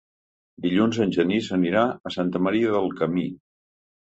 Dilluns en Genís anirà a Santa Maria del Camí.